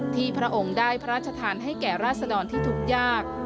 ที่พระองค์ได้พระราชธานให้แก่ราชดรที่ทุกอย่าง